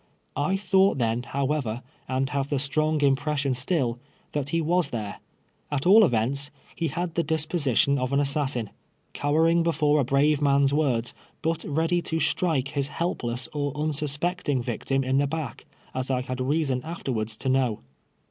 I thought then, however, and have the strong im])res sion still, that he was there. At all events, lie had the disposition of an assassin — cowering before a brave man's words, but ready to strike his helpless or unsuspecting victim in the back, as I had reason af terwards to know.